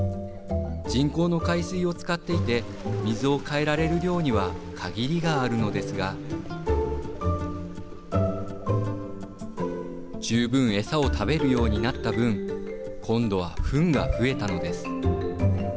人工の海水を使っていて水を換えられる量には限りがあるのですが十分、餌を食べるようになった分今度はふんが増えたのです。